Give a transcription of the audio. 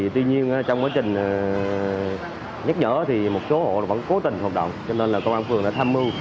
tuy nhiên trong quá trình nhắc nhở thì một số hộ vẫn cố tình hoạt động cho nên công an phường đã tham mưu